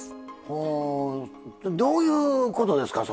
ほどういうことですか？